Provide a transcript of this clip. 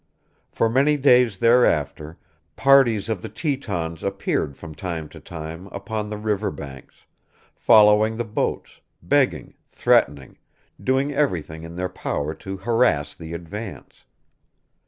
For many days thereafter, parties of the Tetons appeared from time to time upon the river banks, following the boats, begging, threatening, doing everything in their power to harass the advance.